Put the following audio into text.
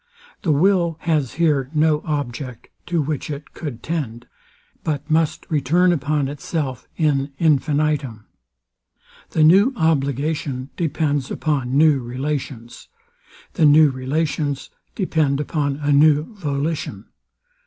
The will has here no object to which it cou'd tend; but must return upon itself in infinitum. The new obligation depends upon new relations. The new relations depend upon a new volition.